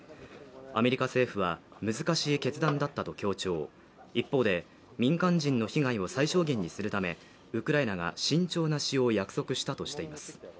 アメリカ政府は難しい決断だったと強調一方で、民間人の被害を最小限にするため、ウクライナが慎重な使用を約束したとしています。